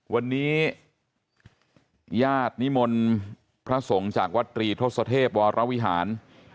วันนี้ญาตินิมนต์พระสงฆ์จากวัดตรีทศเทพวรวิหาร